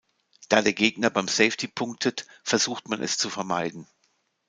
Da der Gegner beim Safety punktet, versucht man es zu vermeiden.